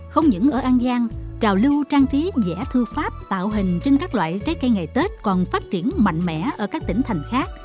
không những ở an giang trào lưu trang trí dẻ thư pháp tạo hình trên các loại trái cây ngày tết còn phát triển mạnh mẽ ở các tỉnh thành khác